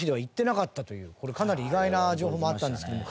これかなり意外な情報もあったんですけども。